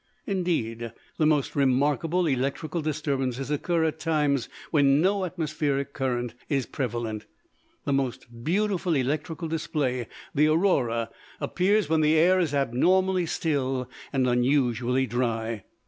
Indeed, the most remarkable electrical disturbances occur at times when no atmospheric current is prevalent. The most beautiful electrical display, the aurora, appears when the air is abnormally still and unusually dry.